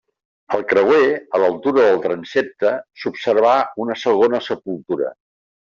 Al creuer, a l'altura del transsepte s'observà una segona sepultura.